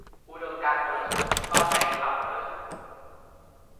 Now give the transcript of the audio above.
อุดมการณ์คนละชุด ก็ใช้คำคนละชุด